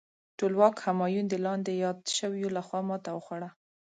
ټولواک همایون د لاندې یاد شویو لخوا ماته وخوړه.